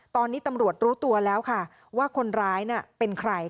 ตอนนี้ตำรวจรู้ตัวแล้วค่ะว่าคนร้ายเป็นใคร